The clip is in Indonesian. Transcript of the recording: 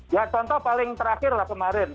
ya contoh paling terakhirlah kemarin